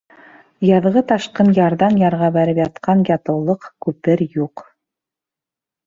Яҙғы ташҡын ярҙан ярға бәреп ятҡан ятыулыҡ, күпер юҡ.